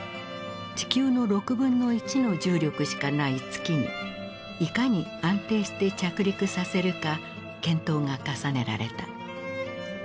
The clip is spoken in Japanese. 地球のの重力しかない月にいかに安定して着陸させるか検討が重ねられた。